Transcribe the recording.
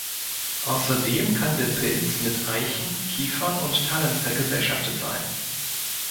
Außerdem kann der Pilz mit Eichen, Kiefern und Tannen vergesellschaftet sein.